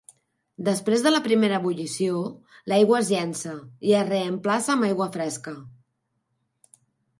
Després de la primera ebullició, l'aigua es llença i es reemplaça amb aigua fresca.